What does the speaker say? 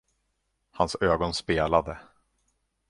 Hans ögon spelade.